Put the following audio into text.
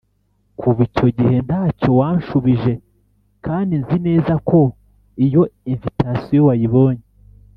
Kuva icyo gihe ntacyo wanshubije kandi nzi neza ko iyo invitation wayibonye.